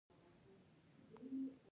د خلکو د ملاتړ ترلاسه کولو ته یې مخه کړه.